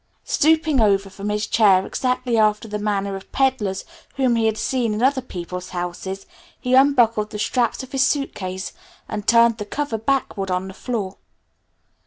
Stooping over from his chair exactly after the manner of peddlers whom he had seen in other people's houses, he unbuckled the straps of his suitcase, and turned the cover backward on the floor.